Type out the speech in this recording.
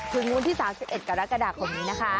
ถึงวันที่๓๑กรกฎาคมนี้นะคะ